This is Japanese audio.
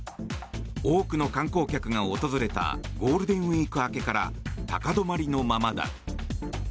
多くの観光客が訪れたゴールデンウィーク明けから高止まりのままだ。